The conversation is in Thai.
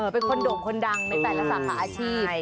เป็นคนโด่งคนดังในแต่ละสาขาอาชีพ